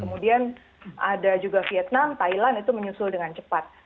kemudian ada juga vietnam thailand itu menyusul dengan cepat